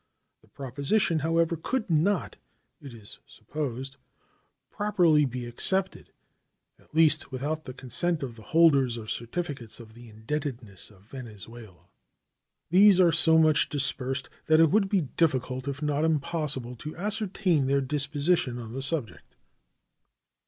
The proposition, however, could not, it is supposed, properly be accepted, at least without the consent of the holders of certificates of the indebtedness of Venezuela. These are so much dispersed that it would be difficult, if not impossible, to ascertain their disposition on the subject.